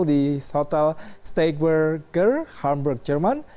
di hotel steakburger hamburg jerman